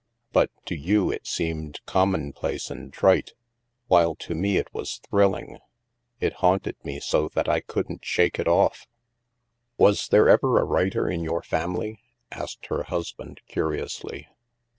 But to you it seemed commonplace and trite, while to me it was thrilling. It hatmted me so that I couldn't shake it off." " Was there ever a writer in your family ?" asked her husband curiously.